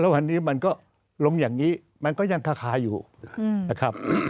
วันนี้มันก็ลงอย่างนี้มันก็ยังคาอยู่นะครับ